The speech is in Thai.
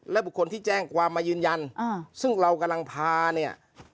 และบุคคลที่แจ้งความมายืนยันซึ่งเรากำลังพาเนี่ย